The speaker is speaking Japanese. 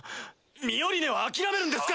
ミオリネは諦めるんですか